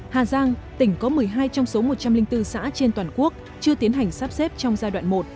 hà giang tỉnh có một mươi hai trong số một trăm linh bốn xã trên toàn quốc chưa tiến hành sắp xếp trong giai đoạn một